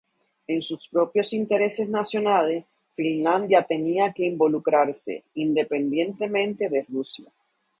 En sus propios intereses nacionales, Finlandia tenía que involucrarse, independientemente de Rusia.